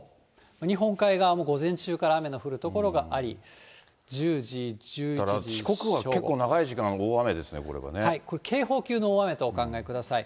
日本海側も午前中から雨の降る所があり、１０時、１１時、四国は結構長い時間、大雨でこれ、警報級の大雨とお考えください。